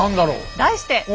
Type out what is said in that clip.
題して！